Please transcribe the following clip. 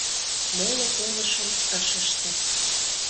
Моло полышым ыш ыште.